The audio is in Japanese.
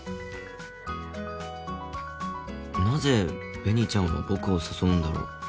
なぜ紅ちゃんは僕を誘うんだろう